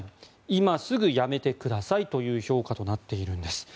今すぐ辞めてくださいという評価となっているんです。